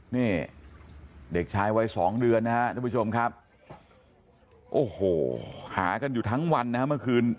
นี่เด็กชายวัยสองเดือนนะครับทุกผู้ชมครับโอ้โหหากันอยู่ทั้งวันนะฮะเมื่อคืน